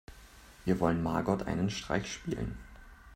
Wir wollen Margot einen Streich spielen.